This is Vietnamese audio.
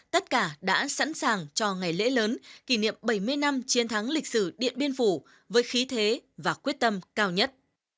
tất cả đã sẵn sàng cho ngày lễ lớn kỷ niệm bảy mươi năm chiến thắng lịch sử điện biên phủ với khí thế và quyết tâm cao nhất